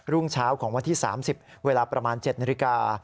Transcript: รุ่งเช้าของวันที่๓๐เวลาประมาณ๗นาฬิกา